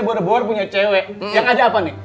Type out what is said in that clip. bor bor punya cewek yang aja apa nih